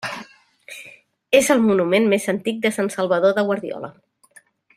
És el monument més antic de Sant Salvador de Guardiola.